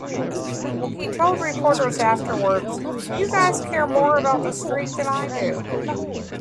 He told reporters afterwards, You guys care more about the streak than I do.